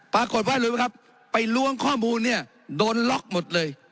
ปรากฏว่ารู้ไหมครับไปล้วงข้อมูลเนี่ยโดนล็อกหมดเลย